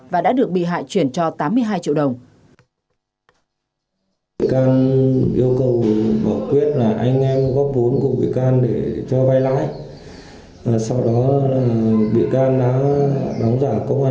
và đã được bị hại chuyển cho tám mươi hai triệu đồng